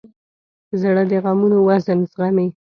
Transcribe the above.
زړه د غمونو وزن زغمي.